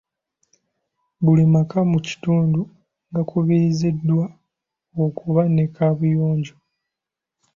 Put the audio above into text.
Buli maka mu kitundu gakubirizibwa okuba ne kaabuyonjo